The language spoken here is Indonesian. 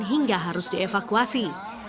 hingga harus dievakuasi